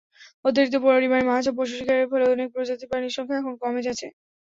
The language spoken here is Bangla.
অতিরিক্ত পরিমাণে মাছ ও পশু শিকারের ফলে অনেক প্রজাতির প্রাণীর সংখ্যা এখন কমে গেছে।